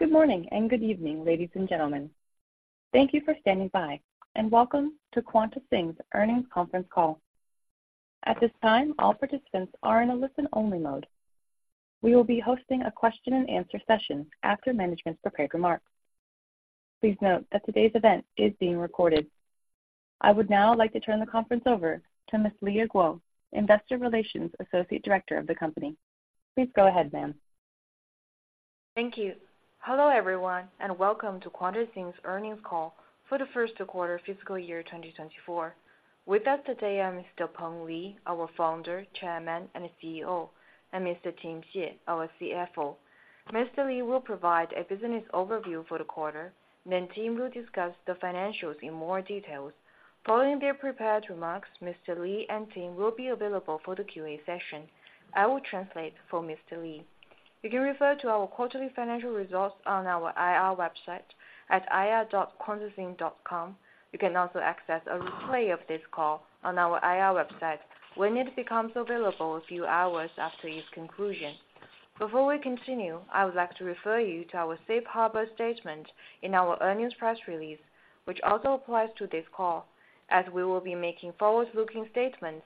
Good morning and good evening, ladies and gentlemen. Thank you for standing by, and welcome to QuantaSing's Earnings Conference Call. At this time, all participants are in a listen-only mode. We will be hosting a question and answer session after management's prepared remarks. Please note that today's event is being recorded. I would now like to turn the conference over to Ms. Leah Guo, Investor Relations Associate Director of the company. Please go ahead, ma'am. Thank you. Hello, everyone, and welcome to QuantaSing's earnings call for the First Quarter Fiscal Year 2024. With us today are Mr. Peng Li, our Founder, Chairman, and CEO, and Mr. Tim Xie, our CFO. Mr. Li will provide a business overview for the quarter, then Tim will discuss the financials in more details. Following their prepared remarks, Mr. Li and Tim will be available for the Q&A session. I will translate for Mr. Li. You can refer to our quarterly financial results on our IR website at ir.quantasing.com. You can also access a replay of this call on our IR website when it becomes available a few hours after its conclusion. Before we continue, I would like to refer you to our safe harbor statement in our earnings press release, which also applies to this call. As we will be making forward-looking statements,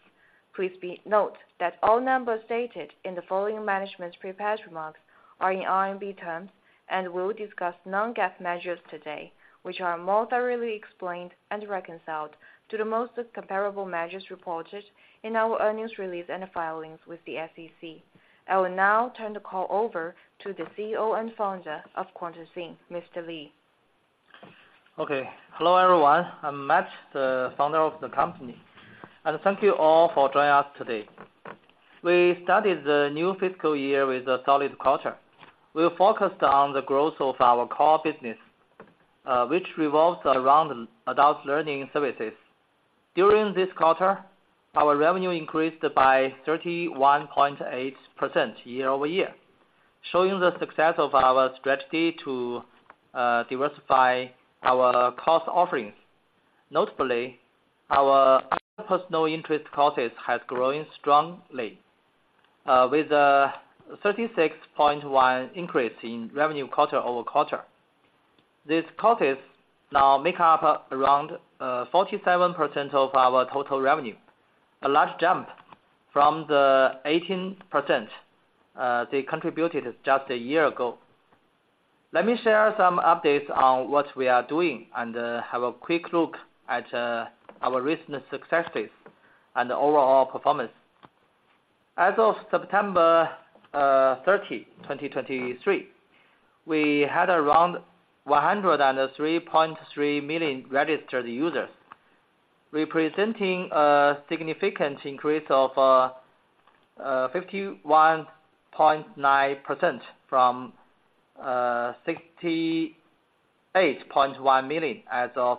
please be... Note that all numbers stated in the following management's prepared remarks are in RMB terms, and we'll discuss non-GAAP measures today, which are more thoroughly explained and reconciled to the most comparable measures reported in our earnings release and the filings with the SEC. I will now turn the call over to the CEO and founder of QuantaSing, Mr. Li. Okay. Hello, everyone. I'm Matt, the Founder of the company, and thank you all for joining us today. We started the new fiscal year with a solid quarter. We were focused on the growth of our core business, which revolves around adult learning services. During this quarter, our revenue increased by 31.8% year-over-year, showing the success of our strategy to diversify our course offerings. Notably, our personal interest courses has grown strongly, with a 36.1% increase in revenue quarter-over-quarter. These courses now make up around 47% of our total revenue, a large jump from the 18% they contributed just a year ago. Let me share some updates on what we are doing and have a quick look at our recent successes and overall performance. As of September 30, 2023, we had around 103.3 million registered users, representing a significant increase of 51.9% from 68.1 million as of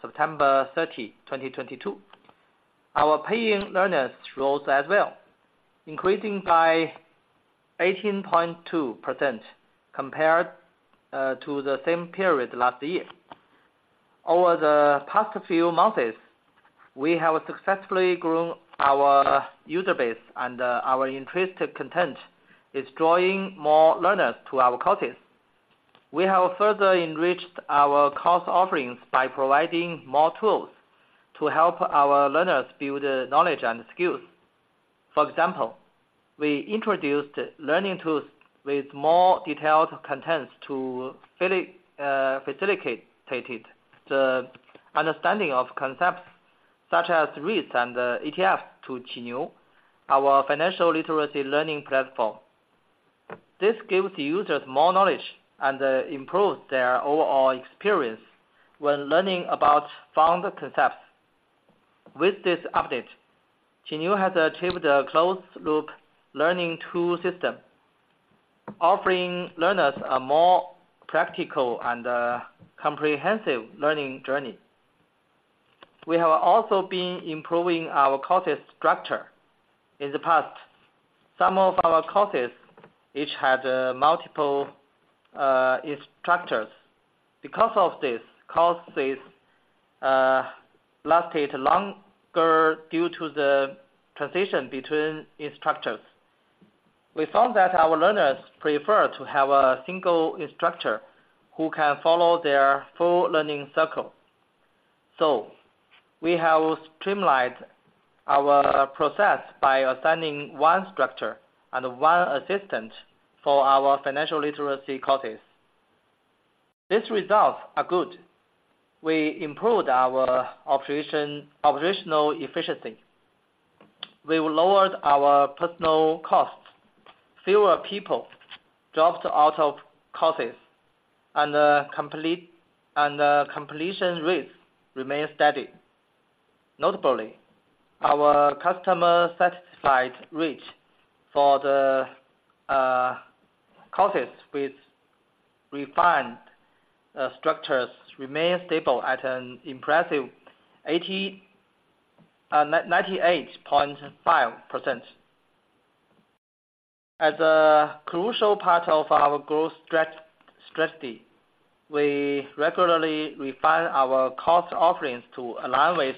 September 30, 2022. Our paying learners rose as well, increasing by 18.2% compared to the same period last year. Over the past few months, we have successfully grown our user base, and our increased content is drawing more learners to our courses. We have further enriched our course offerings by providing more tools to help our learners build knowledge and skills. For example, we introduced learning tools with more detailed contents to facilitate the understanding of concepts such as REITs and ETFs to QiNiu, our financial literacy learning platform. This gives users more knowledge and improves their overall experience when learning about fund concepts. With this update, QiNiu has achieved a closed-loop learning tool system, offering learners a more practical and comprehensive learning journey. We have also been improving our courses structure. In the past, some of our courses each had multiple instructors. Because of this, courses lasted longer due to the transition between instructors. We found that our learners prefer to have a single instructor who can follow their full learning cycle. So we have streamlined our process by assigning one instructor and one assistant for our financial literacy courses. These results are good. We improved our operational efficiency. We lowered our personnel costs. Fewer people dropped out of courses, and completion rates remained steady. Notably, our customer satisfied rate for the courses with refined structures remain stable at an impressive 98.5%. As a crucial part of our growth strategy, we regularly refine our course offerings to align with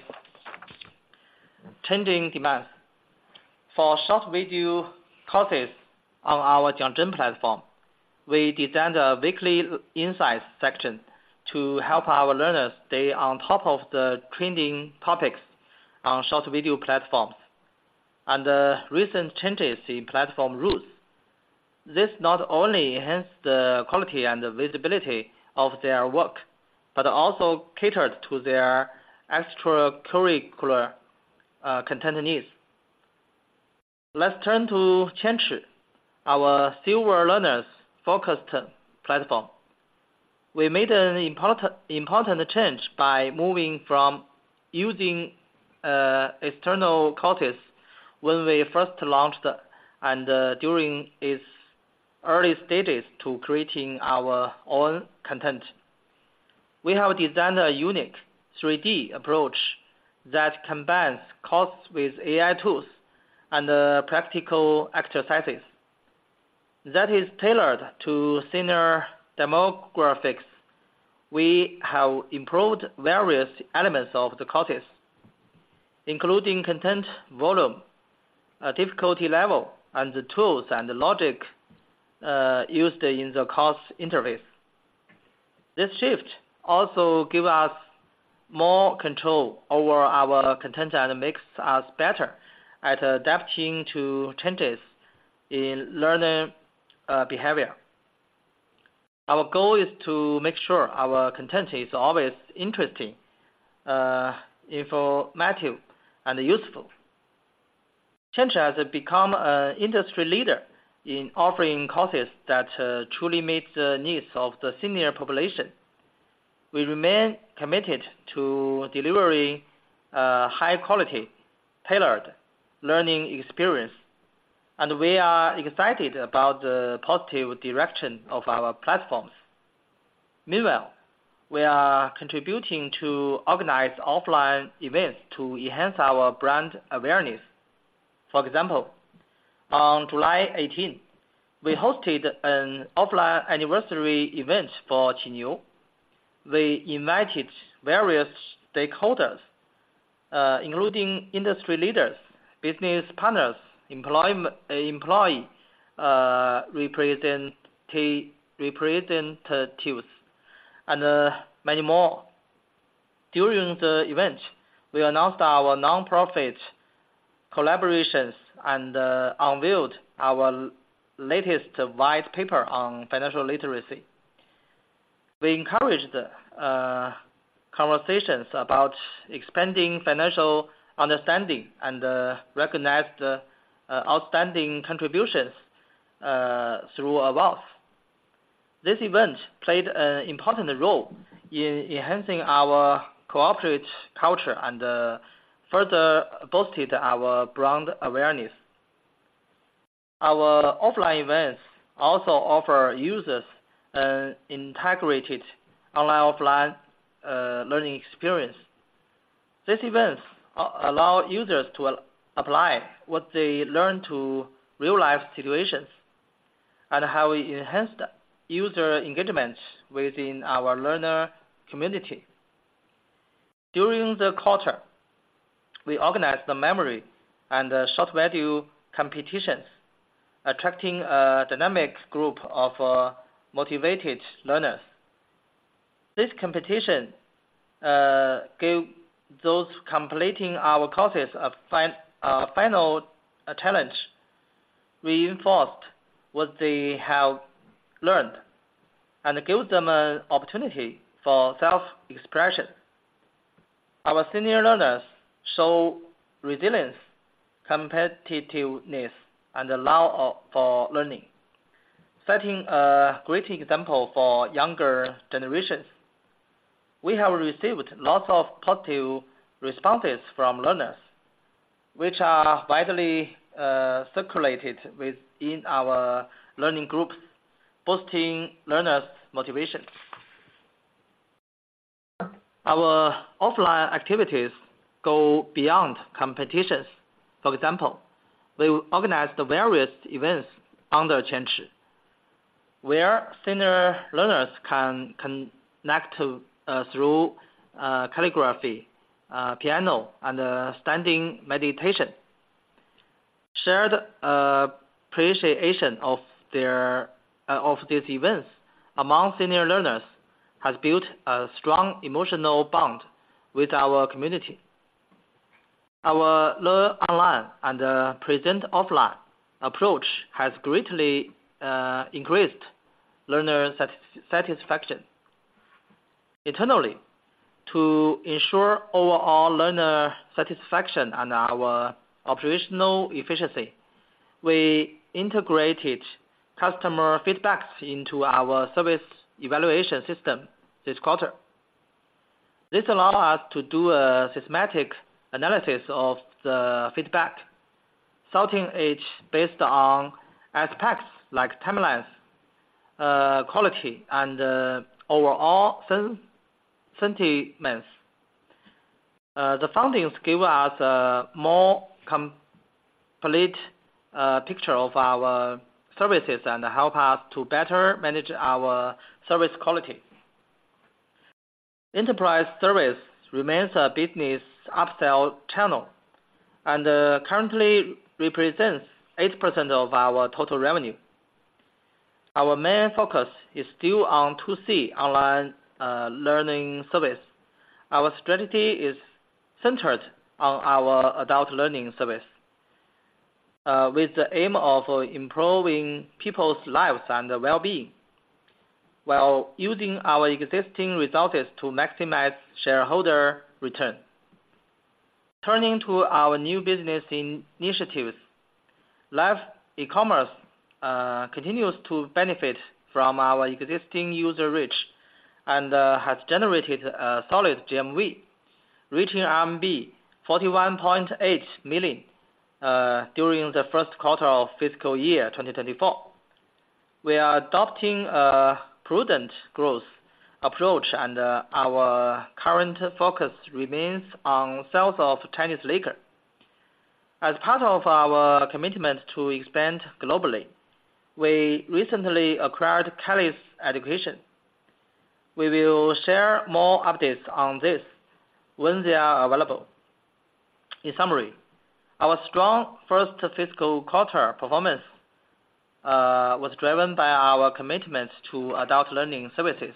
changing demands. For short video courses on our JiangZhen platform, we designed a weekly insights section to help our learners stay on top of the trending topics on short video platforms, and recent changes in platform rules. This not only enhanced the quality and the visibility of their work, but also catered to their extracurricular content needs. Let's turn to QianChi, our silver learners-focused platform. We made an important, important change by moving from using external courses when we first launched, and during its early stages to creating our own content. We have designed a unique 3D approach that combines courses with AI tools and practical exercises. That is tailored to senior demographics. We have improved various elements of the courses, including content, volume, difficulty level, and the tools and the logic used in the course interface. This shift also give us more control over our content and makes us better at adapting to changes in learner behavior. Our goal is to make sure our content is always interesting, informative, and useful. QianChi has become an industry leader in offering courses that truly meet the needs of the senior population. We remain committed to delivering high quality, tailored learning experience, and we are excited about the positive direction of our platforms. Meanwhile, we are contributing to organize offline events to enhance our brand awareness. For example, on July 18th, we hosted an offline anniversary event for QiNiu. We invited various stakeholders, including industry leaders, business partners, employee representatives, and many more. During the event, we announced our nonprofit collaborations and unveiled our latest white paper on financial literacy. We encouraged conversations about expanding financial understanding and recognized outstanding contributions through awards. This event played an important role in enhancing our cooperative culture and further boosted our brand awareness. Our offline events also offer users an integrated online, offline learning experience. These events allow users to apply what they learn to real-life situations, and how we enhanced user engagement within our learner community. During the quarter, we organized the memory and the short video competitions, attracting a dynamic group of motivated learners. This competition gave those completing our courses a final challenge, reinforced what they have learned, and gave them an opportunity for self-expression. Our senior learners show resilience, competitiveness, and a love for learning, setting a great example for younger generations. We have received lots of positive responses from learners, which are widely circulated within our learning groups, boosting learners' motivation. Our offline activities go beyond competitions. For example, we organized the various events under QianChi, where senior learners can connect through calligraphy, piano, and standing meditation. Shared appreciation of these events among senior learners has built a strong emotional bond with our community. Our learn online and present offline approach has greatly increased learner satisfaction. Internally, to ensure overall learner satisfaction and our operational efficiency, we integrated customer feedbacks into our service evaluation system this quarter. This allow us to do a systematic analysis of the feedback, sorting it based on aspects like timelines, quality, and overall sentiments. The findings give us a more complete picture of our services and help us to better manage our service quality. Enterprise service remains a business upsell channel and currently represents 8% of our total revenue. Our main focus is still on to-C online learning service. Our strategy is centered on our adult learning service, with the aim of improving people's lives and their well-being, while using our existing resources to maximize shareholder return. Turning to our new business initiatives, live e-commerce continues to benefit from our existing user reach and has generated a solid GMV, reaching RMB 41.8 million during the first quarter of fiscal year 2024. We are adopting a prudent growth approach, and our current focus remains on sales of Chinese liquor. As part of our commitment to expand globally, we recently acquired Kelly's Education. We will share more updates on this when they are available. In summary, our strong first fiscal quarter performance was driven by our commitment to adult learning services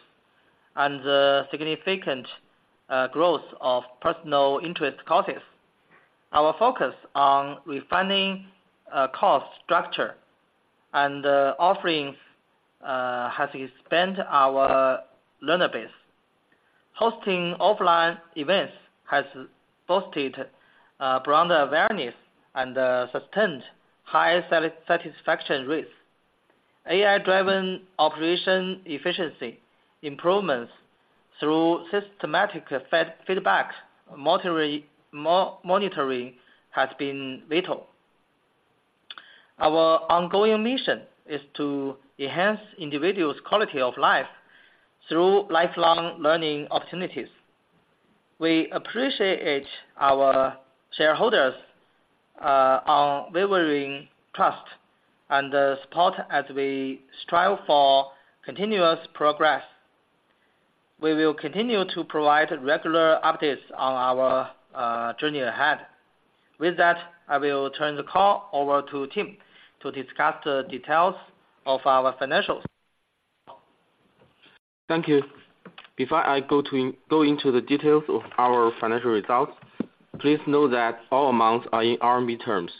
and the significant growth of personal interest courses. Our focus on refining course structure and offerings has expanded our learner base. Hosting offline events has boosted brand awareness and sustained high satisfaction rates. AI-driven operation efficiency improvements through systematic feedback, monitoring has been vital. Our ongoing mission is to enhance individuals' quality of life through lifelong learning opportunities. We appreciate our shareholders' unwavering trust and support as we strive for continuous progress. We will continue to provide regular updates on our journey ahead. With that, I will turn the call over to Tim to discuss the details of our financials. Thank you. Before I go into the details of our financial results, please note that all amounts are in RMB terms.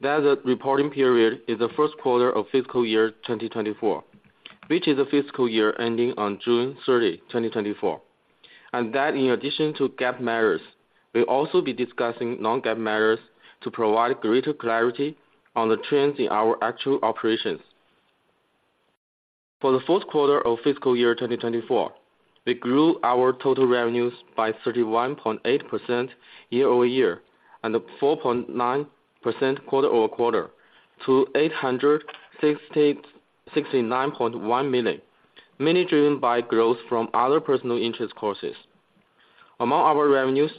That the reporting period is the first quarter of fiscal year 2024, which is the fiscal year ending on June 30, 2024. And that in addition to GAAP measures, we'll also be discussing non-GAAP measures to provide greater clarity on the trends in our actual operations. For the fourth quarter of fiscal year 2024, we grew our total revenues by 31.8% year-over-year, and 4.9% quarter-over-quarter to 869.1 million, mainly driven by growth from other personal interest courses. Among our revenues,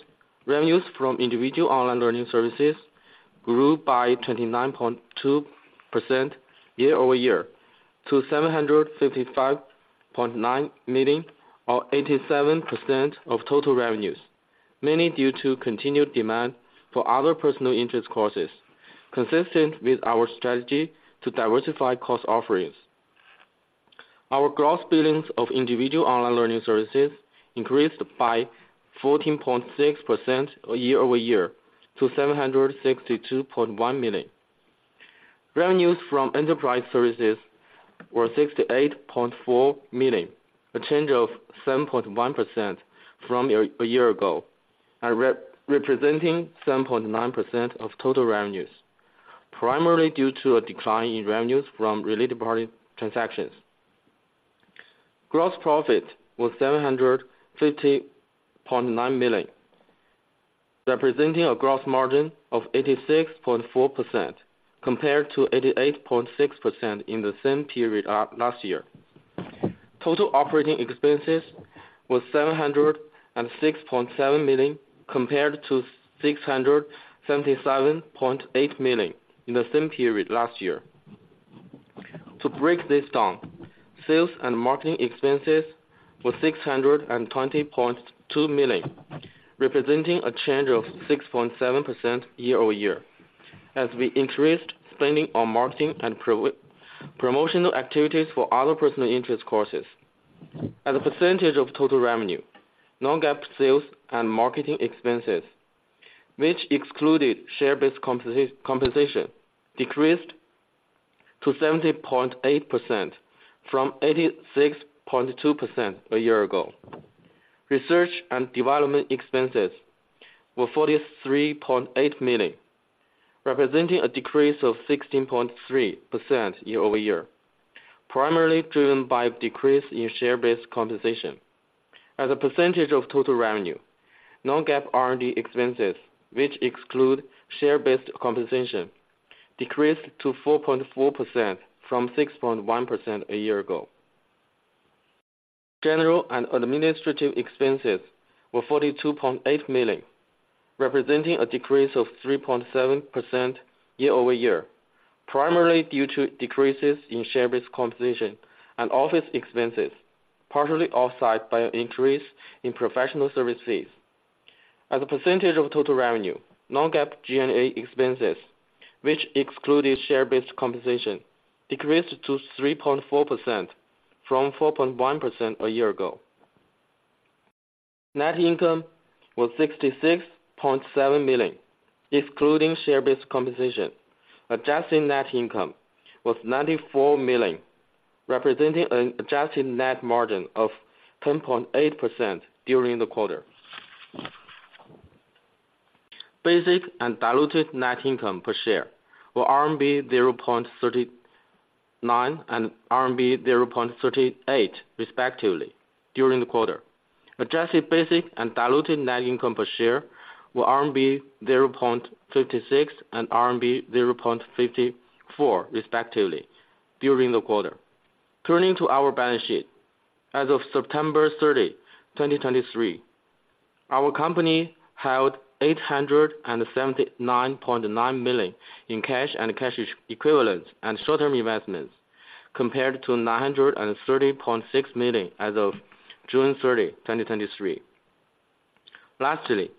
revenues from individual online learning services grew by 29.2% year-over-year to 755.9 million, or 87% of total revenues, mainly due to continued demand for other personal interest courses, consistent with our strategy to diversify course offerings. Our gross billings of individual online learning services increased by 14.6% year-over-year to 762.1 million. Revenues from enterprise services were 68.4 million, a change of 7.1% from a year ago, and representing 7.9% of total revenues, primarily due to a decline in revenues from related party transactions. Gross profit was 750.9 million, representing a gross margin of 86.4%, compared to 88.6% in the same period of last year. Total operating expenses was 706.7 million, compared to 677.8 million in the same period last year. To break this down, sales and marketing expenses were 620.2 million, representing a change of 6.7% year-over-year, as we increased spending on marketing and promotional activities for other personal interest courses. As a percentage of total revenue, non-GAAP sales and marketing expenses, which excluded share-based compensation, decreased to 70.8% from 86.2% a year ago. Research and development expenses were 43.8 million, representing a decrease of 16.3% year-over-year, primarily driven by a decrease in share-based compensation. As a percentage of total revenue, non-GAAP R&D expenses, which exclude share-based compensation, decreased to 4.4% from 6.1% a year ago. General and administrative expenses were 42.8 million, representing a decrease of 3.7% year-over-year, primarily due to decreases in share-based compensation and office expenses, partially offset by an increase in professional services. As a percentage of total revenue, non-GAAP G&A expenses, which excluded share-based compensation, decreased to 3.4% from 4.1% a year ago. Net income was 66.7 million, excluding share-based compensation. Adjusted net income was 94 million, representing an adjusted net margin of 10.8% during the quarter. Basic and diluted net income per share were RMB 0.39 and RMB 0.38, respectively, during the quarter. Adjusted basic and diluted net income per share were RMB 0.56 and RMB 0.54, respectively, during the quarter. Turning to our balance sheet. As of September 30, 2023, our company held 879.9 million in cash and cash equivalents and short-term investments, compared to 930.6 million as of June 30, 2023. Lastly,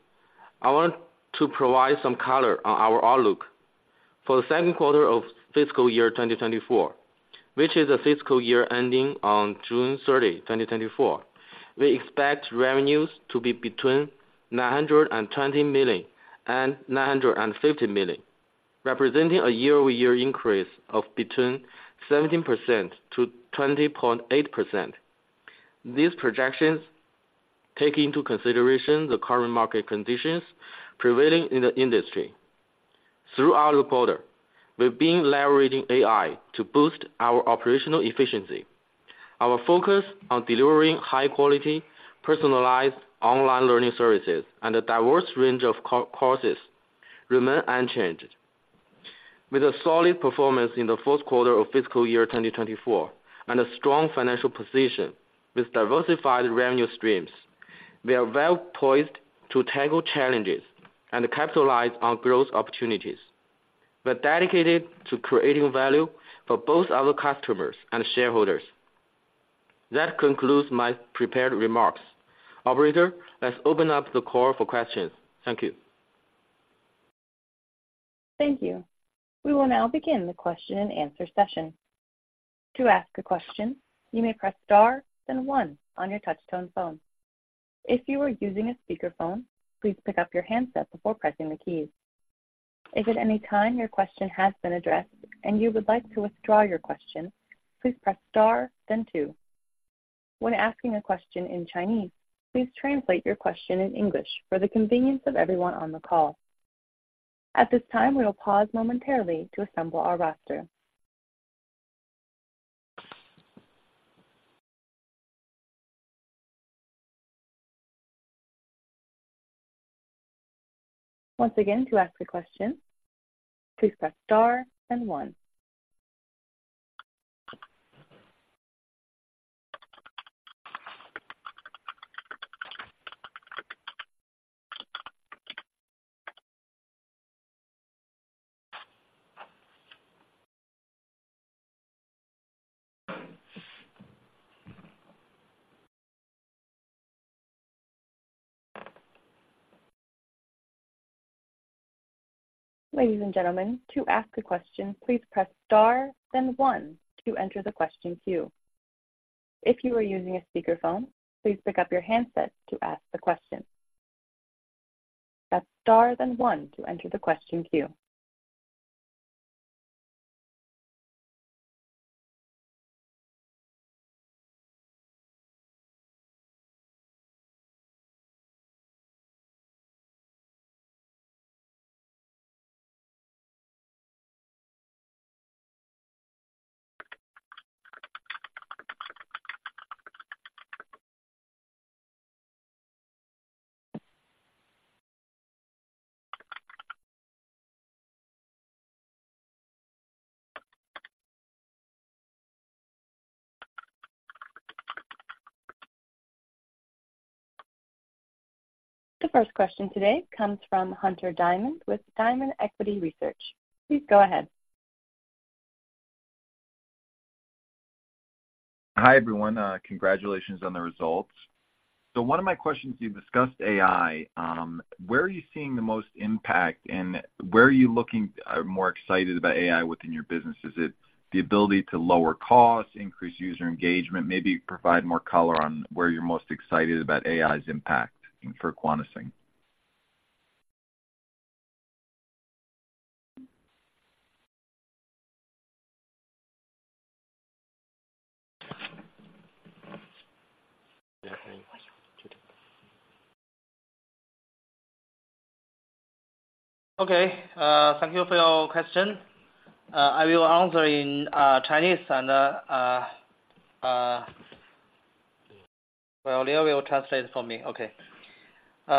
I want to provide some color on our outlook. For the second quarter of fiscal year 2024, which is the fiscal year ending on June 30, 2024, we expect revenues to be between 920 million and 950 million, representing a year-over-year increase of 17%-20.8%. These projections take into consideration the current market conditions prevailing in the industry. Throughout the quarter, we've been leveraging AI to boost our operational efficiency. Our focus on delivering high quality, personalized online learning services and a diverse range of courses remain unchanged. With a solid performance in the fourth quarter of fiscal year 2024, and a strong financial position with diversified revenue streams, we are well poised to tackle challenges and capitalize on growth opportunities. We're dedicated to creating value for both our customers and shareholders. That concludes my prepared remarks. Operator, let's open up the call for questions. Thank you. Thank you. We will now begin the question and answer session. To ask a question, you may press star then one on your touchtone phone. If you are using a speakerphone, please pick up your handset before pressing the keys. If at any time your question has been addressed and you would like to withdraw your question, please press star then two. When asking a question in Chinese, please translate your question in English for the convenience of everyone on the call. At this time, we will pause momentarily to assemble our roster. Once again, to ask a question, please press star then one. Ladies and gentlemen, to ask a question, please press star then one to enter the question queue. If you are using a speakerphone, please pick up your handset to ask the question. Press star then one to enter the question queue. The first question today comes from Hunter Diamond with Diamond Equity Research. Please go ahead. Hi, everyone, congratulations on the results. One of my questions, you've discussed AI. Where are you seeing the most impact and where are you looking more excited about AI within your business? Is it the ability to lower costs, increase user engagement? Maybe provide more color on where you're most excited about AI's impact for QuantaSing? Okay. Thank you for your question. I will answer in Chinese and, well, Leah will translate for me. Okay.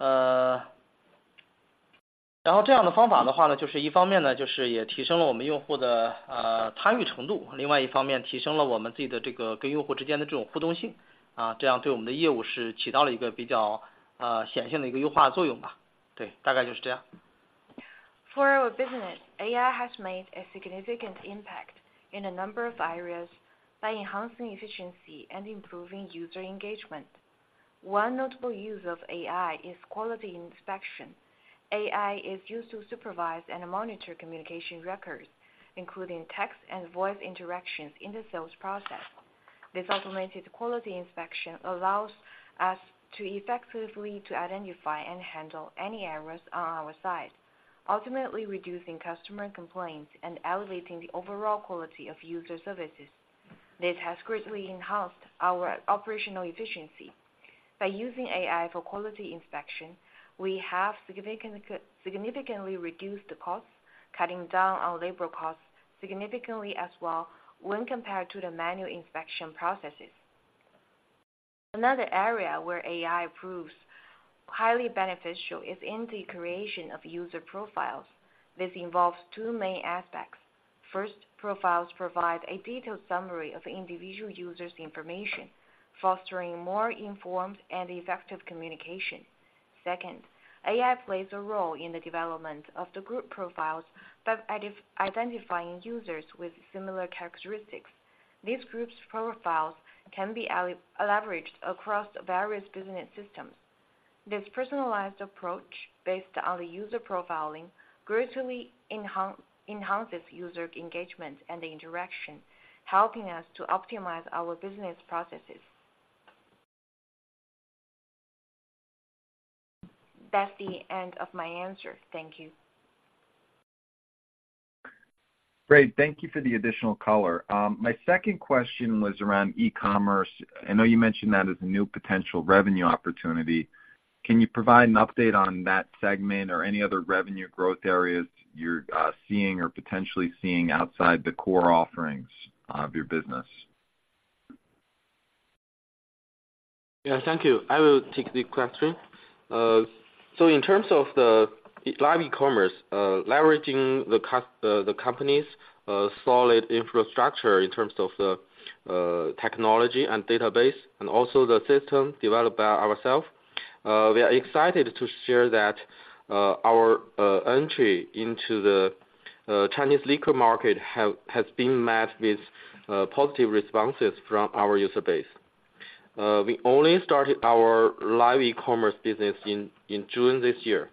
For our business, AI has made a significant impact in a number of areas by enhancing efficiency and improving user engagement. One notable use of AI is quality inspection. AI is used to supervise and monitor communication records, including text and voice interactions in the sales process. This automated quality inspection allows us to effectively to identify and handle any errors on our side, ultimately reducing customer complaints and elevating the overall quality of user services. This has greatly enhanced our operational efficiency. By using AI for quality inspection, we have significantly, significantly reduced the costs, cutting down on labor costs significantly as well, when compared to the manual inspection processes. Another area where AI proves highly beneficial is in the creation of user profiles. This involves two main aspects. First, profiles provide a detailed summary of individual users' information, fostering more informed and effective communication. Second, AI plays a role in the development of the group profiles by identifying users with similar characteristics. These group profiles can be leveraged across various business systems. This personalized approach, based on the user profiling, greatly enhances user engagement and interaction, helping us to optimize our business processes. That's the end of my answer. Thank you. Thank you for the additional color. My second question was around e-commerce. I know you mentioned that as a new potential revenue opportunity. Can you provide an update on that segment or any other revenue growth areas you're seeing or potentially seeing outside the core offerings of your business? Yeah, thank you. I will take the question. So in terms of the live e-commerce, leveraging the company's solid infrastructure in terms of the technology and database, and also the system developed by ourselves, we are excited to share that our entry into the Chinese liquor market has been met with positive responses from our user base. We only started our live e-commerce business in June this year,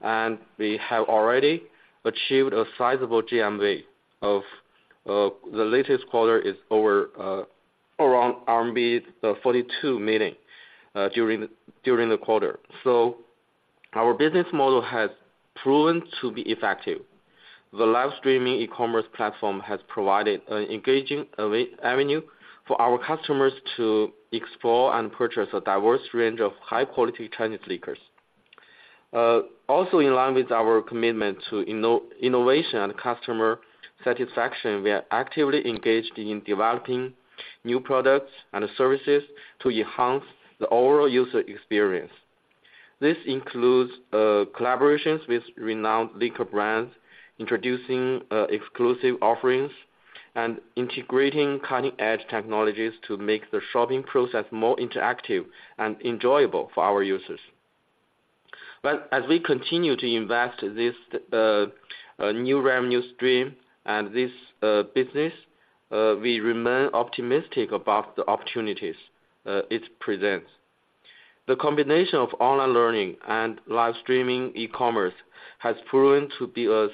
and we have already achieved a sizable GMV of the latest quarter is over around RMB 42 million during the quarter. So our business model has proven to be effective. The live streaming e-commerce platform has provided an engaging avenue for our customers to explore and purchase a diverse range of high-quality Chinese liquors. Also in line with our commitment to innovation and customer satisfaction, we are actively engaged in developing new products and services to enhance the overall user experience. This includes collaborations with renowned liquor brands, introducing exclusive offerings, and integrating cutting-edge technologies to make the shopping process more interactive and enjoyable for our users. But as we continue to invest in this new revenue stream and this business, we remain optimistic about the opportunities it presents. The combination of online learning and live streaming e-commerce has proven to be a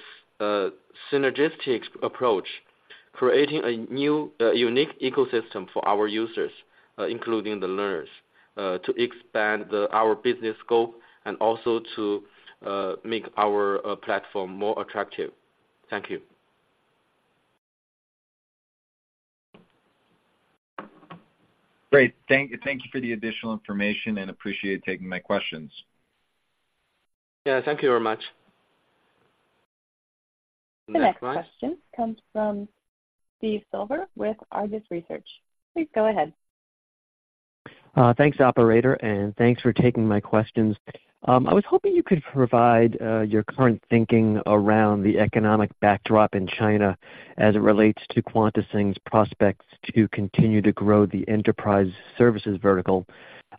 synergistic approach, creating a new unique ecosystem for our users, including the learners, to expand our business scope and also to make our platform more attractive. Thank you. Great. Thank you for the additional information, and appreciate you taking my questions. Yeah, thank you very much. The next one? The next question comes from Steve Silver with Argus Research. Please go ahead. Thanks, operator, and thanks for taking my questions. I was hoping you could provide your current thinking around the economic backdrop in China as it relates to QuantaSing's prospects to continue to grow the enterprise services vertical.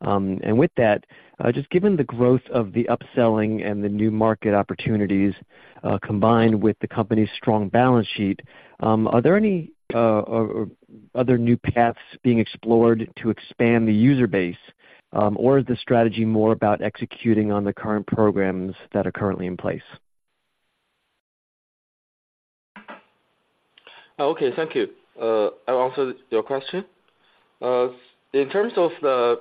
And with that, just given the growth of the upselling and the new market opportunities, combined with the company's strong balance sheet, are there any, or other new paths being explored to expand the user base? Or is the strategy more about executing on the current programs that are currently in place? Okay. Thank you. I'll answer your question. In terms of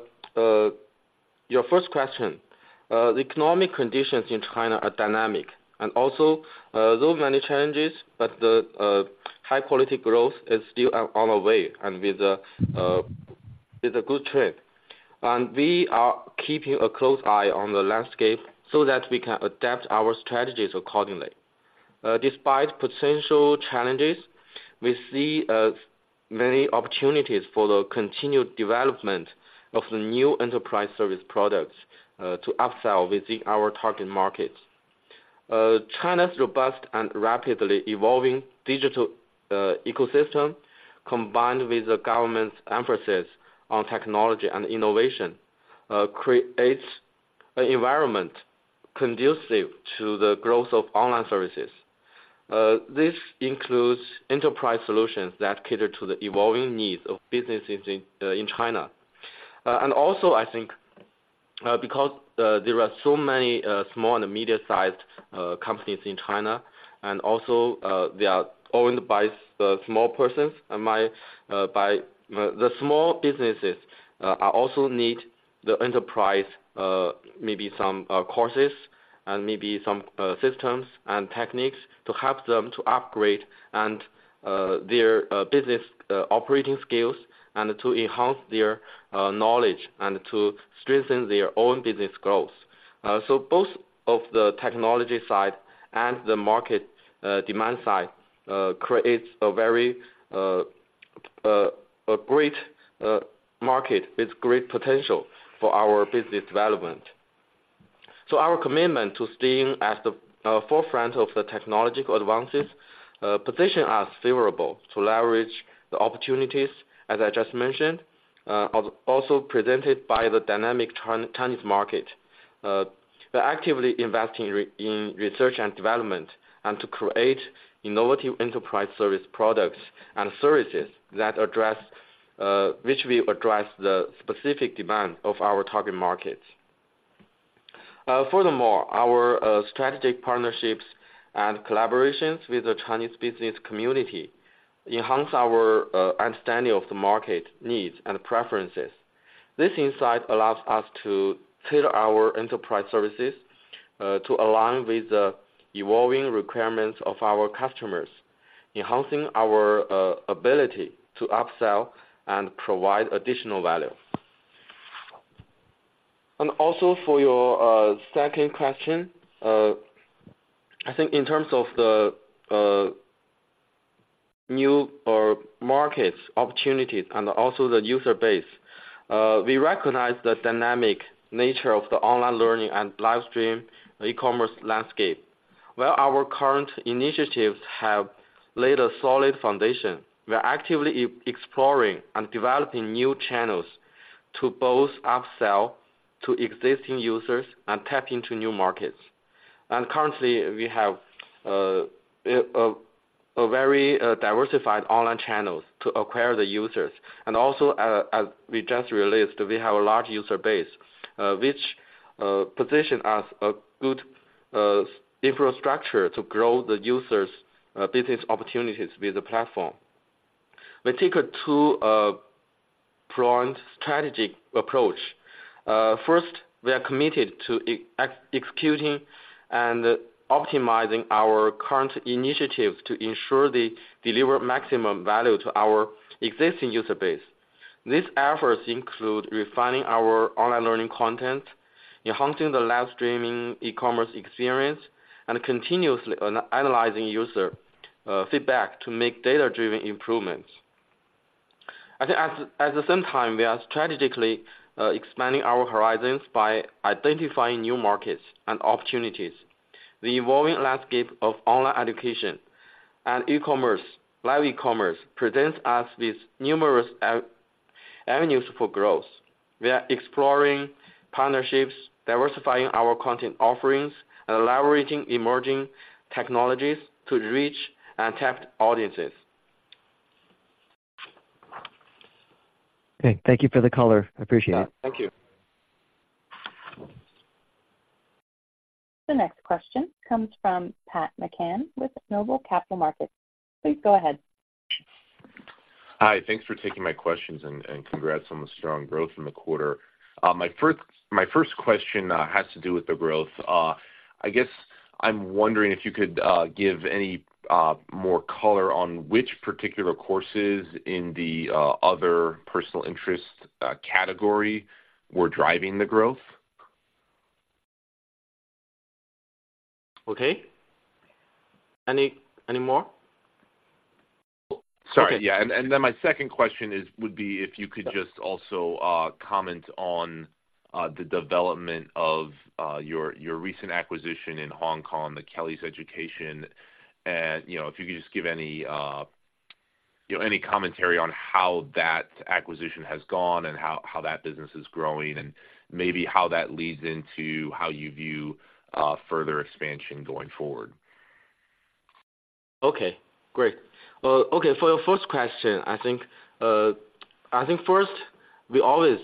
your first question, the economic conditions in China are dynamic, and also, though many challenges, but the high quality growth is still on our way and with a good trend. We are keeping a close eye on the landscape so that we can adapt our strategies accordingly. Despite potential challenges, we see many opportunities for the continued development of the new enterprise service products to upsell within our target markets. China's robust and rapidly evolving digital ecosystem, combined with the government's emphasis on technology and innovation, creates an environment conducive to the growth of online services. This includes enterprise solutions that cater to the evolving needs of businesses in China. And also, I think, because there are so many small and medium-sized companies in China, and also, they are owned by small persons and by the small businesses are also need the enterprise, maybe some courses and maybe some systems and techniques to help them to upgrade and their business operating skills and to enhance their knowledge and to strengthen their own business growth. So both of the technology side and the market demand side creates a very a great market with great potential for our business development. So our commitment to staying at the forefront of the technological advances position us favorable to leverage the opportunities, as I just mentioned, also presented by the dynamic Chinese market. We're actively investing in research and development and to create innovative enterprise service products and services that address, which we address the specific demand of our target markets. Furthermore, our strategic partnerships and collaborations with the Chinese business community enhances our understanding of the market needs and preferences. This insight allows us to tailor our enterprise services to align with the evolving requirements of our customers, enhancing our ability to upsell and provide additional value. Also, for your second question, I think in terms of the new or markets, opportunities and also the user base, we recognize the dynamic nature of the online learning and live stream e-commerce landscape, where our current initiatives have laid a solid foundation. We are actively exploring and developing new channels to both upsell to existing users and tap into new markets. Currently, we have a very diversified online channels to acquire the users. Also, as we just released, we have a large user base, which position us a good infrastructure to grow the users' business opportunities with the platform. We take a two pronged strategy approach. First, we are committed to executing and optimizing our current initiatives to ensure they deliver maximum value to our existing user base. These efforts include refining our online learning content, enhancing the live streaming e-commerce experience, and continuously analyzing user feedback to make data-driven improvements. I think at the same time, we are strategically expanding our horizons by identifying new markets and opportunities. The evolving landscape of online education and e-commerce, live e-commerce, presents us with numerous avenues for growth. We are exploring partnerships, diversifying our content offerings, and leveraging emerging technologies to reach and tap audiences. Okay. Thank you for the color. Appreciate it. Thank you.... The next question comes from Pat McCann with Noble Capital Markets. Please go ahead. Hi. Thanks for taking my questions and congrats on the strong growth in the quarter. My first question has to do with the growth. I guess I'm wondering if you could give any more color on which particular courses in the other personal interest category were driving the growth? Okay. Any more? Sorry, yeah. Okay. Then my second question is, would be if you could just also comment on the development of your recent acquisition in Hong Kong, Kelly's Education, and, you know, if you could just give any, you know, any commentary on how that acquisition has gone and how that business is growing, and maybe how that leads into how you view further expansion going forward. Okay, great. Okay, for your first question, I think, I think first, we always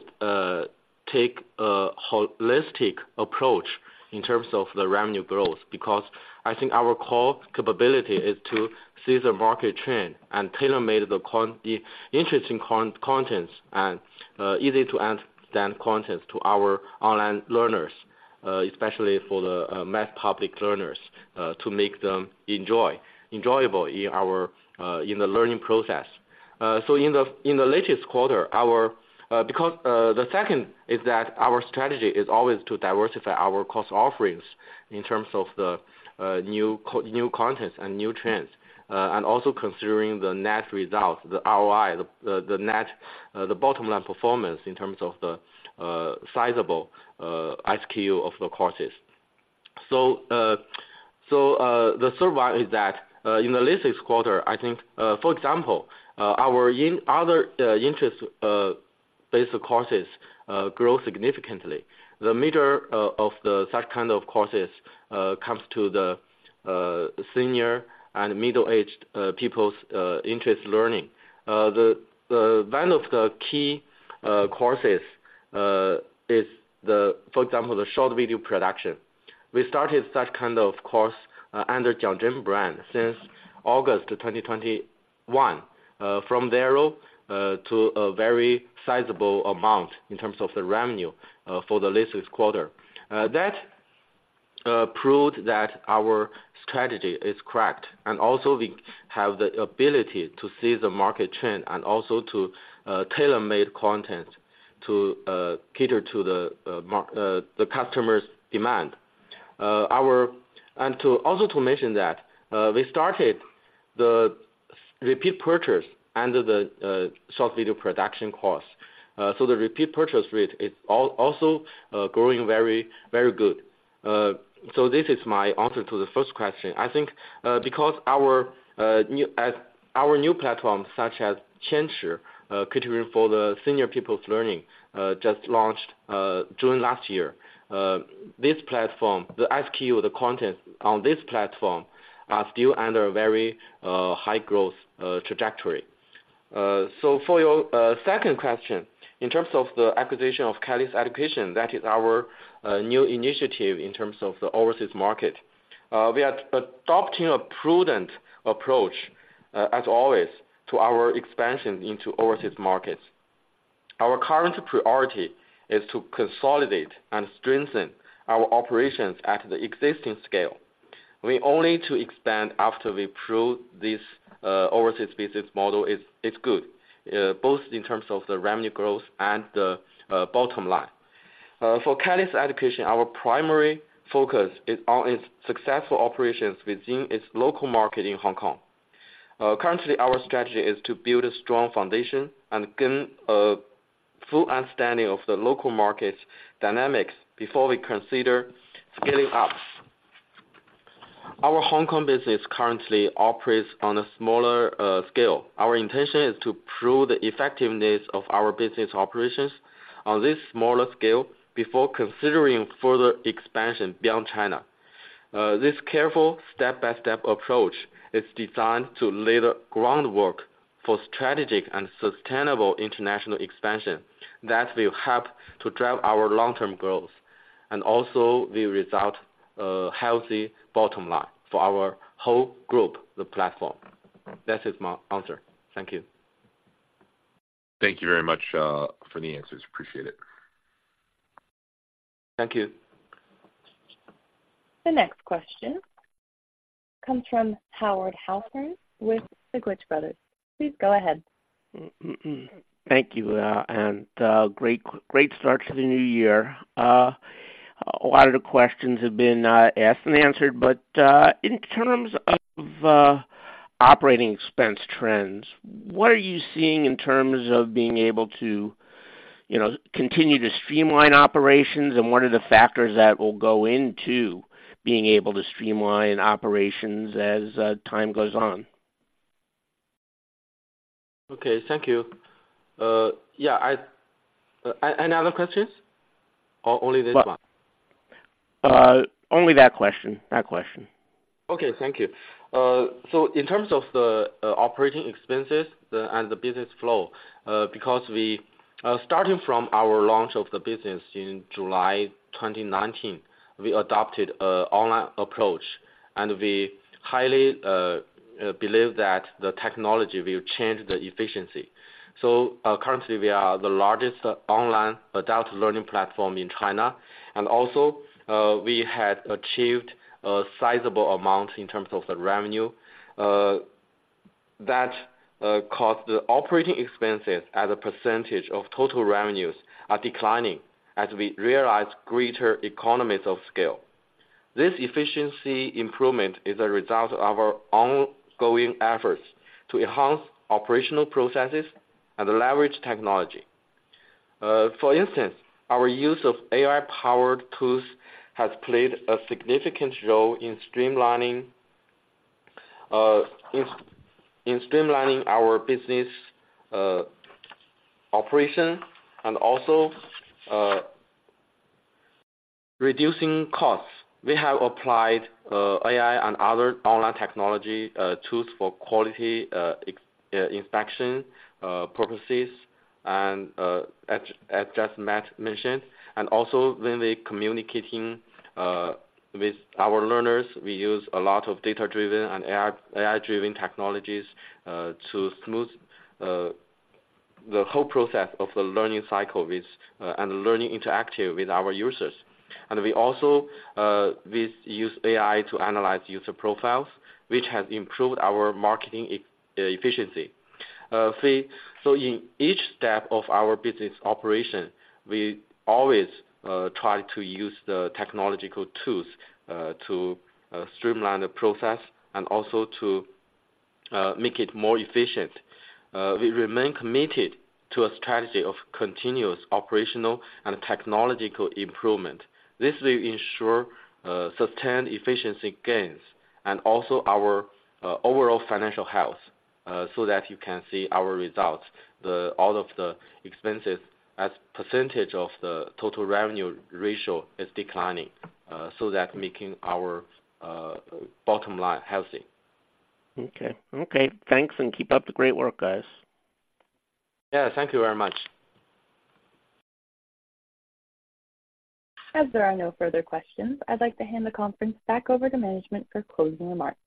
take a holistic approach in terms of the revenue growth, because I think our core capability is to see the market trend and tailor-made the interesting contents and easy to understand content to our online learners, especially for the math topic learners, to make them enjoyable in our in the learning process. So in the latest quarter, our because the second is that our strategy is always to diversify our course offerings in terms of the new contents and new trends and also considering the net results, the ROI, the net, the bottom line performance in terms of the sizable SKU of the courses. So, the third one is that, in the latest quarter, I think, for example, our other interest basic courses grew significantly. The major of such kind of courses comes to the senior and middle-aged people's interest learning. The one of the key courses is, for example, the short video production. We started such kind of course under JiangZhen brand since August 2021, from zero to a very sizable amount in terms of the revenue for the latest quarter. That proved that our strategy is correct, and also we have the ability to see the market trend and also to tailor-made content to cater to the market, the customer's demand. And to also mention that, we started the repeat purchase under the short video production course. So the repeat purchase rate is also growing very, very good. So this is my answer to the first question. I think, because our new platform, such as QianChi, catering for the senior people's learning, just launched June last year. This platform, the SKU, the content on this platform, are still under a very high growth trajectory. So for your second question, in terms of the acquisition of Kelly's Education, that is our new initiative in terms of the overseas market. We are adopting a prudent approach, as always, to our expansion into overseas markets. Our current priority is to consolidate and strengthen our operations at the existing scale. We only to expand after we prove this overseas business model is good, both in terms of the revenue growth and the bottom line. For Kelly's Education, our primary focus is on its successful operations within its local market in Hong Kong. Currently, our strategy is to build a strong foundation and gain a full understanding of the local market dynamics before we consider scaling up. Our Hong Kong business currently operates on a smaller scale. Our intention is to prove the effectiveness of our business operations on this smaller scale before considering further expansion beyond China. This careful step-by-step approach is designed to lay the groundwork for strategic and sustainable international expansion that will help to drive our long-term growth, and also will result a healthy bottom line for our whole group, the platform. That is my answer. Thank you. Thank you very much, for the answers. Appreciate it. Thank you. The next question comes from Howard Halpern with the Taglich Brothers. Please go ahead. Thank you, and great, great start to the new year. A lot of the questions have been asked and answered, but in terms of operating expense trends, what are you seeing in terms of being able to, you know, continue to streamline operations? And what are the factors that will go into being able to streamline operations as time goes on? Okay. Thank you. Yeah, any other questions, or only this one? Only that question, that question.... Okay, thank you. So in terms of the operating expenses and the business flow, because we starting from our launch of the business in July 2019, we adopted an online approach, and we highly believe that the technology will change the efficiency. So, currently, we are the largest online adult learning platform in China, and also, we had achieved a sizable amount in terms of the revenue that caused the operating expenses as a percentage of total revenues are declining as we realize greater economies of scale. This efficiency improvement is a result of our ongoing efforts to enhance operational processes and leverage technology. For instance, our use of AI-powered tools has played a significant role in streamlining our business operation and also reducing costs. We have applied AI and other online technology tools for quality inspection purposes, and as just Matt mentioned, and also when we're communicating with our learners, we use a lot of data-driven and AI-driven technologies to smooth the whole process of the learning cycle with and learning interactive with our users. And we also use AI to analyze user profiles, which has improved our marketing efficiency. So in each step of our business operation, we always try to use the technological tools to streamline the process and also to make it more efficient. We remain committed to a strategy of continuous operational and technological improvement. This will ensure sustained efficiency gains and also our overall financial health so that you can see our results. All of the expenses as percentage of the total revenue ratio is declining, so that making our bottom line healthy. Okay. Okay, thanks, and keep up the great work, guys. Yeah, thank you very much. As there are no further questions, I'd like to hand the conference back over to management for closing remarks.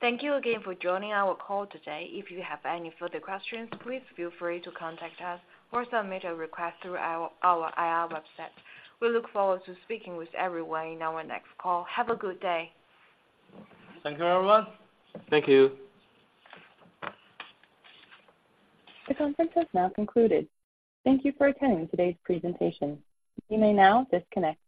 Thank you again for joining our call today. If you have any further questions, please feel free to contact us or submit a request through our IR website. We look forward to speaking with everyone in our next call. Have a good day. Thank you, everyone. Thank you. The conference is now concluded. Thank you for attending today's presentation. You may now disconnect.